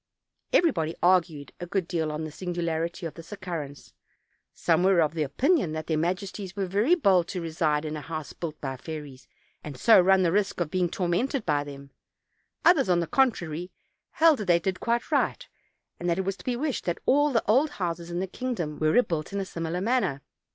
Everybody argued a good deal on the singularity of this occurrence; some were of opinion that their majes ties were very bold to reside in a house built by fairies, and so run the risk of being tormented by them; others, on the contrary, held that they did quite right, and that it was to be wished that all the old houses in the king dom were rebuilt in a similar manner.